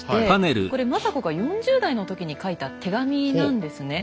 これ政子が４０代の時に書いた手紙なんですね。